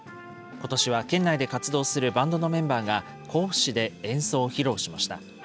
ことしは県内で活動するバンドのメンバーが、甲府市で演奏を披露しました。